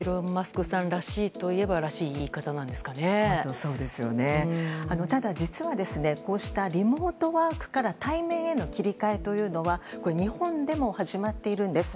イーロン・マスクさんらしいといえばただ実は、こうしたリモートワークから対面への切り替えというのは日本でも始まっているんです。